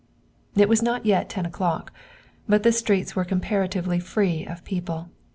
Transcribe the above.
It was not yet ten o'clock, but the streets were comparatively free of people.